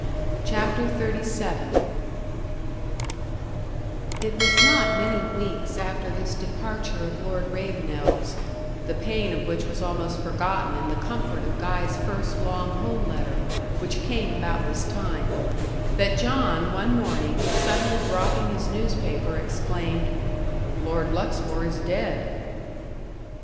CHAPTER XXXVII It was not many weeks after this departure of Lord Ravenel's the pain of which was almost forgotten in the comfort of Guy's first long home letter, which came about this time that John one morning, suddenly dropping his newspaper, exclaimed: "Lord Luxmore is dead."